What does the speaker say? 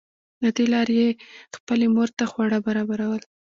له دې لارې یې خپلې مور ته خواړه برابرول